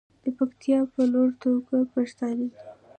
د پکتیکا په لوړه توګه پښتانه دي.